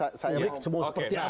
publik semua seperti apa